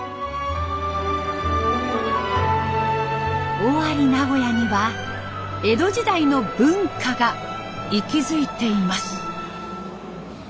尾張名古屋には江戸時代の文化が息づいています。